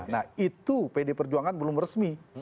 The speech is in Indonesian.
nah itu pd perjuangan belum resmi